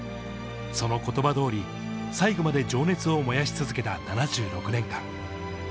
その言葉通り、最後まで情熱を燃やし続けた７６年間。